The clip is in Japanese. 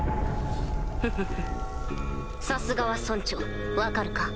フフフさすがは村長分かるか？